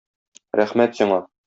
Рәхмәт сиңа.